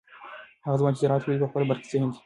هغه ځوان چې زراعت لولي په خپله برخه کې ذهین دی.